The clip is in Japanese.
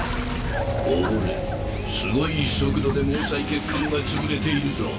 ほれすごい速度で毛細血管がつぶれているぞ。